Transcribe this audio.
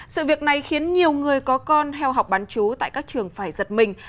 sự việc này khiến nhiều người có con theo học bán chú tại các trường phải giật mình